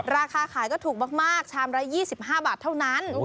ราคาขายก็ถูกมากชามละ๒๕บาทเท่านั้น